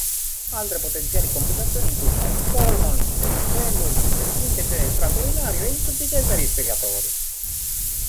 Altre potenziali complicazioni includono: polmonite, cellulite, infezioni del tratto urinario e insufficienza respiratoria.